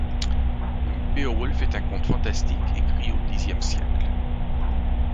Beowulf est un conte fantastique écrit au xe siècle.